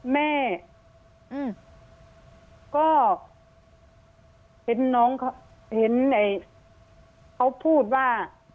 แม่อืมก็เห็นน้องเห็นไอ้เขาพูดว่า